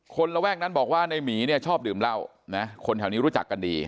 ระแวกนั้นบอกว่าในหมีเนี่ยชอบดื่มเหล้านะคนแถวนี้รู้จักกันดี